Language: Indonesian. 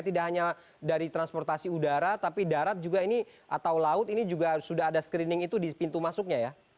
tidak hanya dari transportasi udara tapi darat juga ini atau laut ini juga sudah ada screening itu di pintu masuknya ya